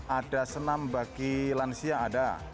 ada senam bagi lansia